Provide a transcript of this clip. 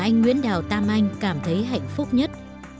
anh nguyễn đào tam anh cảm thấy hạnh phúc nhất